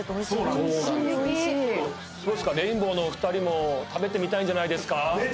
レインボーのお二人も食べてみたいんじゃないですか？